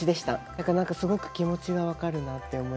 だからなんかすごく気持ちが分かるなって思いますし。